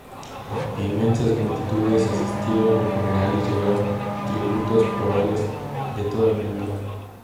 Inmensas multitudes asistieron al funeral y llegaron tributos florales de todo el mundo.